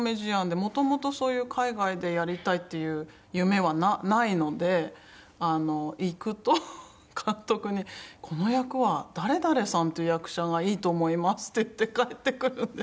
もともとそういう海外でやりたいっていう夢はないので行くと監督に「この役は誰々さんっていう役者がいいと思います」って言って帰ってくるんですよね。